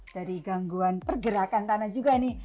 dari gangguan pergerakan tanah juga nih